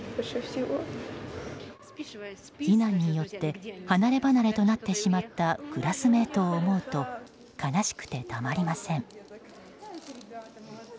避難によって離ればなれとなってしまったクラスメートを思うと悲しくてたまりません。